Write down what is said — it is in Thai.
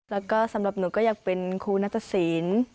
แล้วก็สำหรับหนูก็อยากเป็นครูนัตตศีล